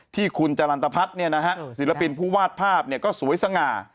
ที่คุณจรรตพัฒน์ศิลปินผู้วาดภาพก็สวยสง่า